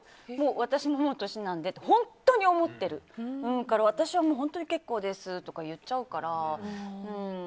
私も、もう年なんでって本当に思ってるから私は本当に結構ですとか言っちゃうから。